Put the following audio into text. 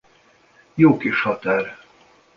Jó kis határ.